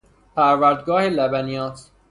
پروردگاه لبنیات